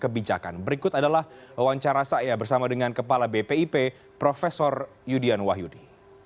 kebijakan berikut adalah wawancara saya bersama dengan kepala bpip prof yudian wahyudi